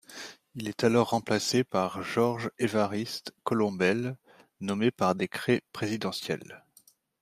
Il est alors remplacé par Georges-Évariste Colombel, nommé par décret présidentiel.